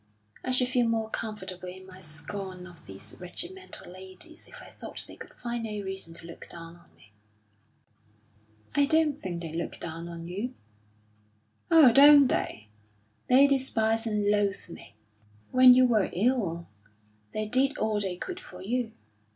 I should feel more comfortable in my scorn of these regimental ladies if I thought they could find no reason to look down on me." "I don't think they look down on you." "Oh, don't they? They despise and loathe me." "When you were ill, they did all they could for you."